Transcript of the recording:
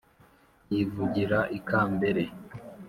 yivugira i kambere